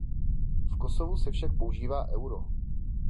V Kosovu se však používá Euro.